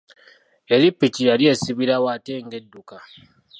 Eri ppiki yali esibirawo ate nga edduka.